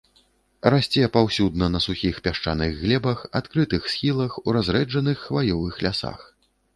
Расце паўсюдна на сухіх пясчаных глебах, адкрытых схілах, у разрэджаных хваёвых лясах.